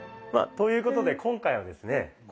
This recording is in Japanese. まあということで今回はですね